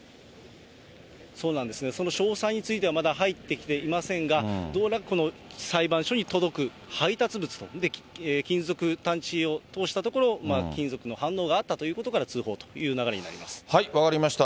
そうなんですね、その詳細についてはまだ入ってきていませんが、この裁判所に届く配達物と、金属探知機を通したところ、金属の反応があったということから通報という流れになったそうで分かりました。